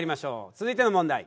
続いての問題。